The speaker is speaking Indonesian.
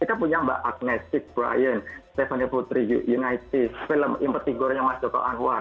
kita punya mbak agnese brian stephanie putri united film in particularnya mas joko anwar